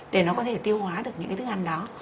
để nó có thể tiêu hóa được những cái thức ăn đó